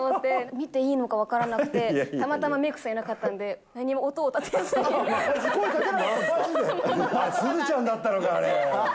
見ていいのか分からなくて、たまたまメークさんいなかったので、すずちゃんだったのか、あれ。